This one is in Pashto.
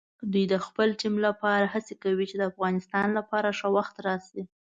دوی د خپل ټیم لپاره هڅې کوي چې د افغانستان لپاره ښه وخت راشي.